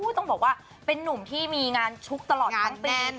ต้องบอกว่าเป็นนุ่มที่มีงานชุกตลอดทั้งปี